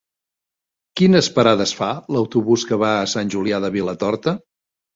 Quines parades fa l'autobús que va a Sant Julià de Vilatorta?